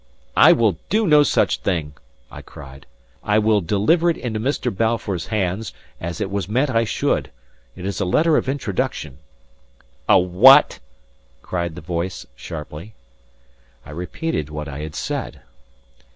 "I will do no such thing," I cried. "I will deliver it into Mr. Balfour's hands, as it was meant I should. It is a letter of introduction." "A what?" cried the voice, sharply. I repeated what I had said.